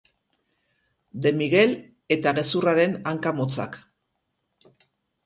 De Miguel eta gezurraren hanka motzak.